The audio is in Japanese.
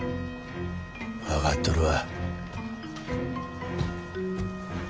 分かっとるわ。